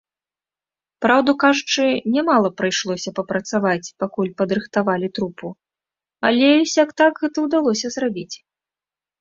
Праўду кажучы, нямала прыйшлося папрацаваць, пакуль падрыхтавалі трупу, але сяк-так гэта ўдалося зрабіць.